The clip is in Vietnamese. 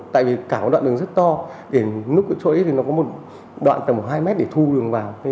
tại vì cả một đoạn đường rất to để núp cái chỗ ấy thì nó có một đoạn tầm hai mét để thu đường vào